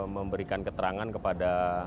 memberikan keterangan kepada